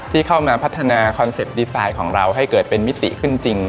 ที่เข้ามาพัฒนาคอนเซ็ปต์ดีไซน์ของเราให้เกิดเป็นมิติขึ้นจริง